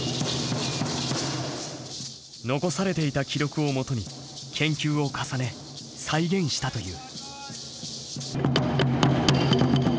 残されていた記録をもとに研究を重ね再現したという。